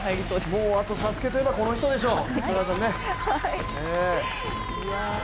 もう、あと「ＳＡＳＵＫＥ」といえばこの人でしょう。